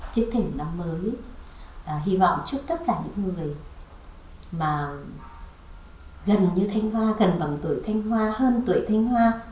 chúc tất cả những người gần như thanh hoa gần bằng tuổi thanh hoa hơn tuổi thanh hoa